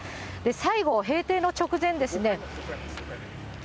最後、閉廷の直前ですね。